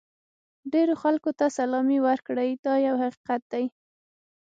ډېرو خلکو ته سلامي وکړئ دا یو حقیقت دی.